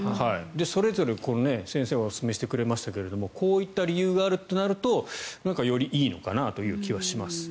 それぞれ先生がおすすめしてくれましたがこういう理由があるとなるとよりいいのかなという気はします。